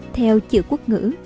theo chữ quốc ngữ